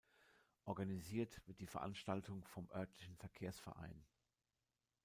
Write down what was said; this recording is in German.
Organisiert wird die Veranstaltung vom örtlichen Verkehrsverein.